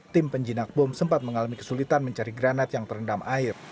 tim penjinak bom sempat mengalami kesulitan mencari granat yang terendam air